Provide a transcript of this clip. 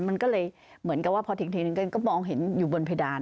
มันก็เลยเหมือนกับว่าพอทิ้งทีนึงก็มองเห็นอยู่บนเพดาน